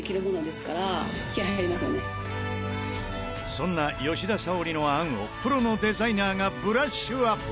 そんな吉田沙保里の案をプロのデザイナーがブラッシュアップ！